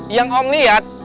yang om liat